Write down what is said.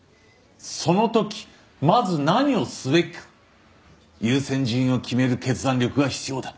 その時まず何をすべきか優先順位を決める決断力が必要だ。